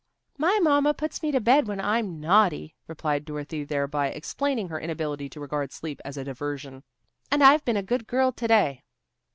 "My mamma puts me to bed when I'm naughty," replied Dorothy, thereby explaining her inability to regard sleep as a diversion. "And I've been a good girl to day."